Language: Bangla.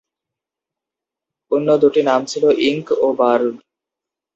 অন্য দুটি নাম ছিল "ইঙ্ক" ও "বার্ড"।